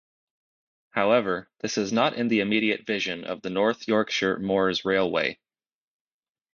However, this is not in the immediate vision of the North Yorkshire Moors Railway.